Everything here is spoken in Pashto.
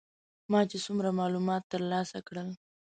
ما چې څومره معلومات تر لاسه کړل.